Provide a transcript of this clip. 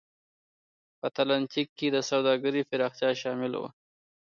په اتلانتیک کې د سوداګرۍ پراختیا شامل و.